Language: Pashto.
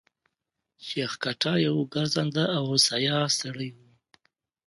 شېخ کټه يو ګرځنده او سیاح سړی وو.